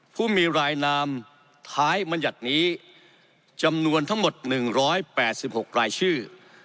ผู้มีรายนามท้ายบรรยัตินี้จำนวนทั้งหมด๑๘๖รายชื่อ